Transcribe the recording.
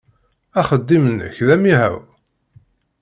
Axeddim-nnek d amihaw?